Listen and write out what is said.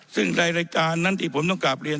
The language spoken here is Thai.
ซึ่งในรายการนั้นที่ผมต้องกลับเรียน